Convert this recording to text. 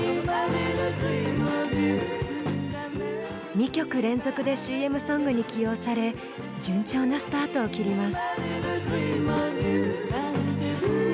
２曲連続でＣＭソングに起用され順調なスタートを切ります。